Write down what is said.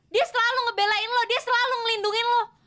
dia selalu ngebelain lo dia selalu ngelindungin lo